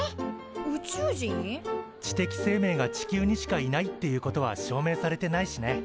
知的生命が地球にしかいないっていうことは証明されてないしね。